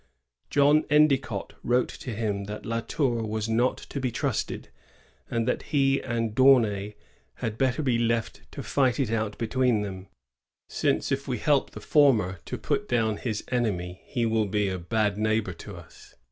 John Endicott wrote to him that La Tour was not to be trusted, and that he and D'Aunay had better be left to fight it out between them, since if we help the former to put down his enemy he wiU be a bad neighbor to us.